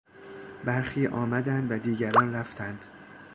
برخی آمدند و دیگران رفتند.